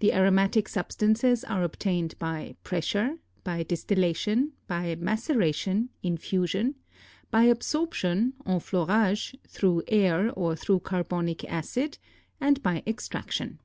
The aromatic substances are obtained by pressure, by distillation, by maceration (infusion), by absorption (enfleurage) through air or through carbonic acid, and by extraction.